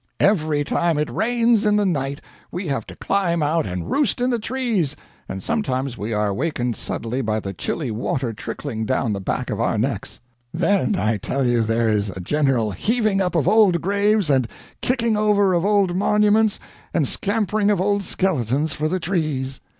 Every time it rains in the night we have to climb out and roost in the trees and sometimes we are wakened suddenly by the chilly water trickling down the back of our necks. Then I tell you there is a general heaving up of old graves and kicking over of old monuments, and scampering of old skeletons for the trees!